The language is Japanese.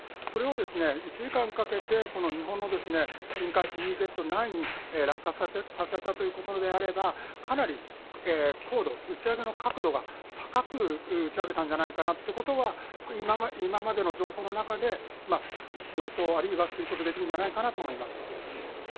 それを１時間かけて日本の近海、ＥＥＺ内に落下させたということであればかなり高度、打ち上げ角度が高く打ちあげたんじゃないかなというのは今までの情報の中で、予想、あるいは推測できるんじゃないかと思います。